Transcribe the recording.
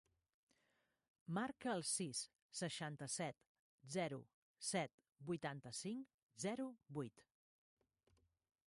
Marca el sis, seixanta-set, zero, set, vuitanta-cinc, zero, vuit.